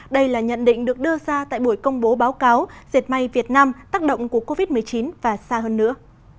đây là nhận định được đưa ra tại buổi công bố báo cáo diệt may việt nam tác động của covid một mươi chín và xa hơn nữa